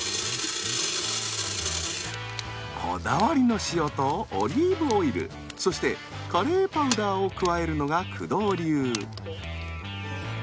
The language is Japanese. こだわりの塩とオリーブオイルそしてカレーパウダーを加えるのが工藤流。